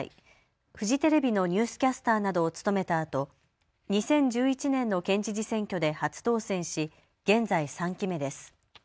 フジテレビのニュースキャスターなどを務めたあと、２０１１年の県知事選挙で初当選し現在３期目です。